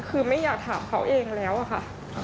คือไม่อยากถามเขาเองแล้วอะค่ะ